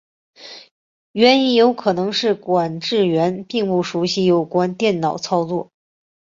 原因有可能是管制员并不熟习有关电脑操作。